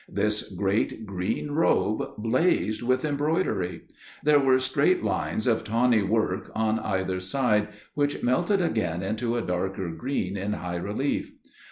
This great green robe blazed with embroidery. There were straight lines of tawny work on either side which melted again into a darker green in high relief.